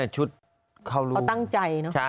จริงเขาตั้งใจเนอะ